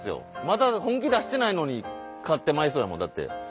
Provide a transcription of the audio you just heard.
まだ本気出してないのに勝ってまいそうやもんだって。